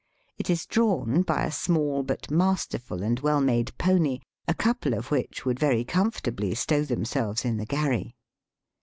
It is drawn by a small but masterful and well made pony, a couple of which would very comfortably stow themselves in the gharry.